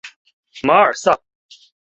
马尔萨。